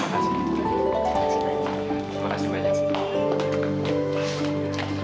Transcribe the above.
terima kasih banyak